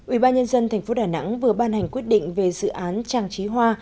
ủy ban nhân dân tp đà nẵng vừa ban hành quyết định về dự án trang trí hoa